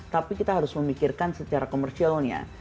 tapi kita harus memikirkan secara komersialnya